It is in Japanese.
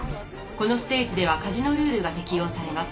このステージではカジノルールが適用されます。